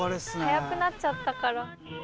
早くなっちゃったから。